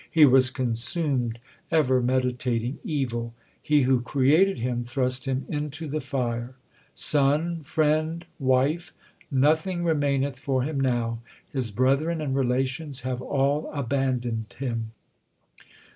He was consumed ever meditating evil ; He who created him thrust him into the fire. 1 Bilawal. LIFE OF GURU ARJAN 87 Son, friend, wife, nothing remaineth for him now ; his brethren and relations have all abandoned him.